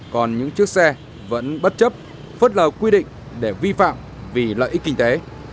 còn những chiếc xe vẫn bất chấp phớt lờ quy định để vi phạm vì lợi ích kinh tế